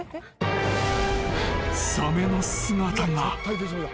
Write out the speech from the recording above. ［サメの姿が］